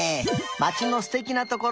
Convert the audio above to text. まちのすてきなところ